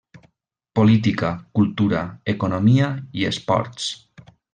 Política, Cultura, Economia i Esports.